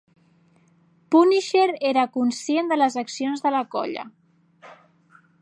Punisher era conscient de les accions de la colla.